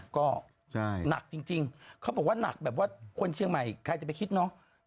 ก็หนักจริงเขาบอกว่าหนักแบบว่าคนเชียงใหม่ใครจะไปคิดเนาะ